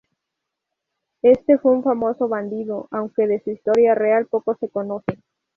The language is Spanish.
Este fue un famoso bandido, aunque de su historia real poco se conoce.